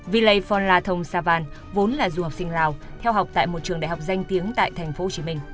villei phonla thong savan vốn là du học sinh lào theo học tại một trường đại học danh tiếng tại tp hcm